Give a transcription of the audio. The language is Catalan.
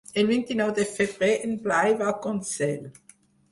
El vint-i-nou de febrer en Blai va a Consell.